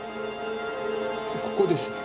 ここですね